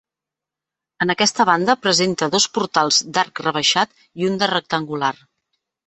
En aquesta banda presenta dos portals d'arc rebaixat i un de rectangular.